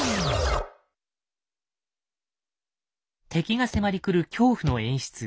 敵が迫りくる恐怖の演出。